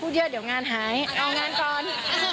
เยอะเดี๋ยวงานหายเอางานก่อน